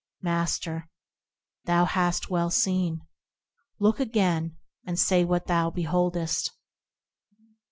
Master. Thou hast well seen. Look again, and say what thou beholdest.